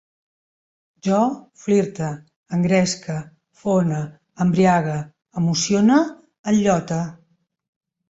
Jo flirte, engresque, fone, embriague, emocione, enllote